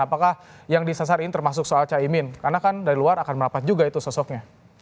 apakah yang disasar ini termasuk soal caimin karena kan dari luar akan merapat juga itu sosoknya